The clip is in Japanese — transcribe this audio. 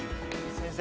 先生。